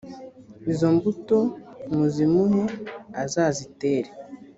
izo mbuto muzimuhe azazitere